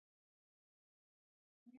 ملک صادق ځان د سالم پاچا معرفي کوي.